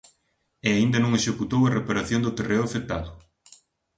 E aínda non executou a reparación do terreo afectado.